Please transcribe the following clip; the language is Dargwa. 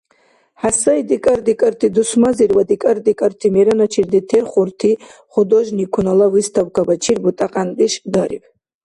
ХӀясай декӀар-декӀарти дусмазир ва декӀар-декӀарти мераначир детерхурти художникунала выставкабачир бутӀакьяндеш дариб.